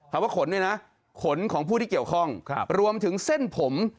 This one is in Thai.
ว่าขนเนี่ยนะขนของผู้ที่เกี่ยวข้องรวมถึงเส้นผม